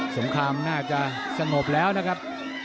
งครามน่าจะสงบแล้วนะครับ